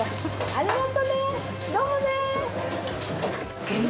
ありがとうね、どうもねー。